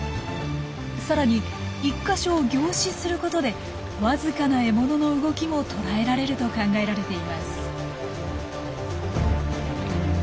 さらに１か所を凝視することでわずかな獲物の動きもとらえられると考えられています。